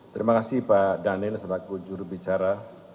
terima kasih pak daniel selaku jurubicara